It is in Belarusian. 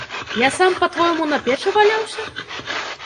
Я сам, па-твойму, на печы валяўся?